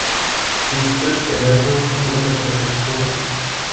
Sie ist Sitz der gleichnamigen Unterpräfektur.